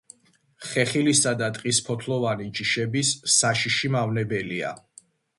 ხეხილისა და ტყის ფოთლოვანი ჯიშების საშიში მავნებელია.